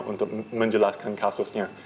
untuk menjelaskan kasusnya